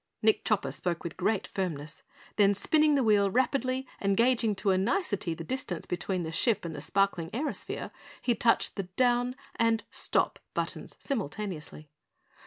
Nick Chopper spoke with great firmness. Then, spinning the wheel rapidly and gauging to a nicety the distance between the ship and the sparkling airosphere, he touched the "down" and "stop" buttons simultaneously.